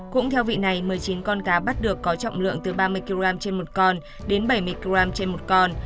cũng theo vị này một mươi chín con cá bắt được có trọng lượng từ ba mươi kg trên một con đến bảy mươi g trên một con